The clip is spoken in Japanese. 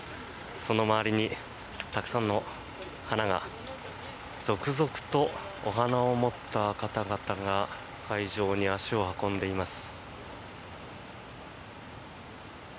その周りにたくさんの花が続々とお花を持った方々が会場に足を運んでいます。